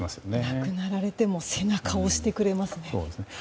亡くなられても背中を押してくれますね。